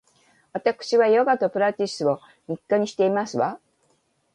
わたくしはヨガとピラティスを日課にしていますわ